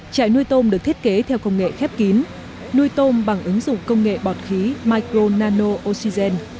trại nuôi tôm được thiết kế theo công nghệ khép kín nuôi tôm bằng ứng dụng công nghệ bọt khí micro nano oxygen